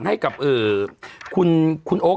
ให้กับคุณโอ๊ค